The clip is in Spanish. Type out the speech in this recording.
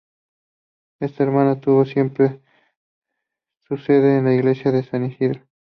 Esta hermandad tuvo siempre su sede en la iglesia de San Isidoro.